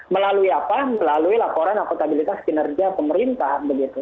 melalui apa melalui laporan akutabilitas kinerja pemerintah